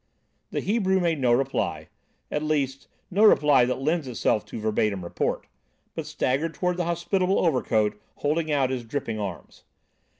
The Hebrew made no reply—at least, no reply that lends itself to verbatim report—but staggered towards the hospitable overcoat, holding out his dripping arms.